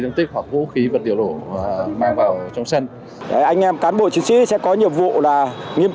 tiếng tích hoặc vũ khí vật điều đổ mang vào trong sân anh em cán bộ chiến sĩ sẽ có nhiệm vụ nghiêm